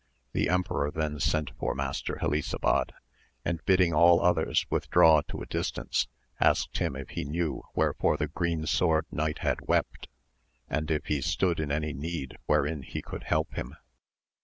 The emperor then sent for Master Helisabad, and bidding all others withdraw to a distance, asked him if he knew virhere fore the green sword knight had wept, and if he stood in any need wherein he could help him.